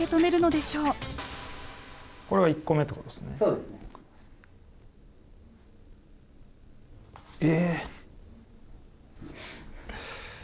そうですね。え？